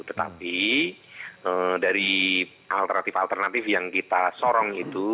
tetapi dari alternatif alternatif yang kita sorong itu